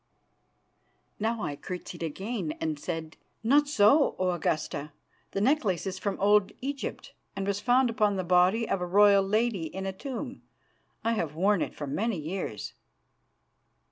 "Now I curtsied again, and said: "'Not so, O Augusta; the necklace is from Old Egypt, and was found upon the body of a royal lady in a tomb. I have worn it for many years.